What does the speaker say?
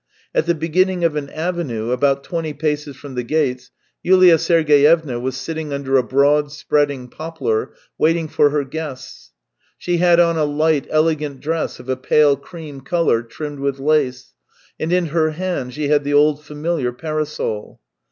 At the beginning of an avenue, about twenty paces from the gates, Yulia Sergeyev^na was sitting under a broad, spreading poplar, waiting for her guests. She had on a light, elegant dress of a pale cream colour trimmed with lace, and in her hand she had the old familiar parasol.